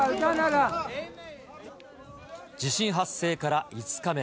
地震発生から５日目。